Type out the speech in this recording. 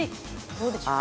どうでしょう？